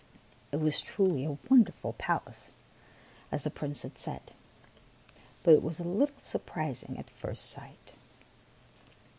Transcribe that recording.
It was truly a wonderful palace, as the Prince had said, but it was a little surprising at first sight.